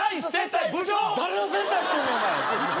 誰の接待してんねんお前！